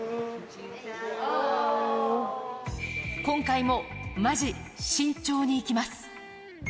今回もまじ、慎重にいきます。